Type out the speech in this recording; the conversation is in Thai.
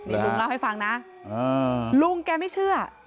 เดี๋ยวลุงเล่าให้ฟังนะอ่าลุงแกไม่เชื่อ